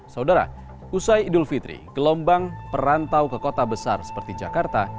saudara usai idul fitri gelombang perantau ke kota besar seperti jakarta